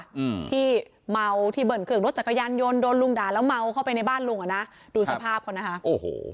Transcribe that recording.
อืมที่เมาที่เบิ้ลเครื่องรถจักรยานยนต์โดนลุงด่าแล้วเมาเข้าไปในบ้านลุงอ่ะนะดูสภาพเขานะคะโอ้โห